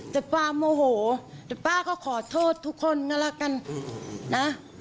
แต่ป้าโมโหแต่ป้าก็ขอโทษทุกคนก็แล้วกันนะ